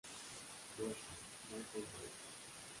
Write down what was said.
Boston: Beacon Press.